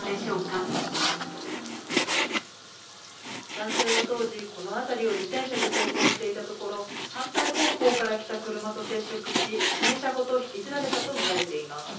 男性は当時、この辺りを自転車で走行していたところ、反対方向から来た車と接触し、自転車ごと引きずられたと見られています。